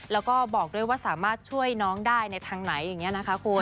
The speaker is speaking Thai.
แล้วก็บอกด้วยว่าสามารถช่วยน้องได้ในทางไหนอย่างนี้นะคะคุณ